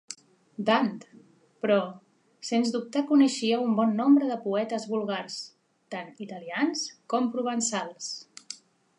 Dant, però, sens dubte coneixia un bon nombre de poetes vulgars, tant italians com provençals.